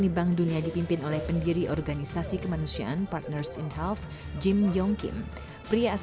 tanggungan penyelenggaraan dan penyelenggaraan